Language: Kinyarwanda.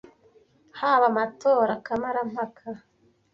haba amatora ya kamarampaka,